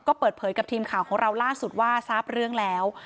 ก็เปิดเผยกับทีมข่าวของเราล่าสุดว่าทราบเรื่องแล้ว